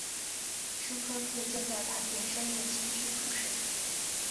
牲川步见在磐田山叶青训出身。